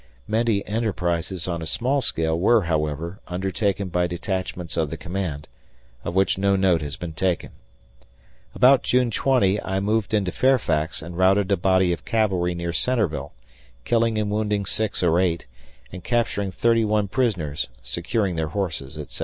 Many enterprises on a small scale were, however, undertaken by detachments of the command, of which no note has been taken. About June 20 I moved into Fairfax and routed a body of cavalry near Centreville, killing and wounding 6 or 8, and capturing 31 prisoners, securing their horses, etc.